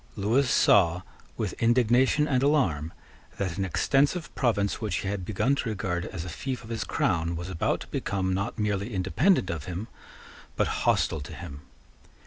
Lewis saw, with indignation and alarm, that an extensive province which he had begun to regard as a fief of his crown was about to become, not merely independent of him, but hostile to him.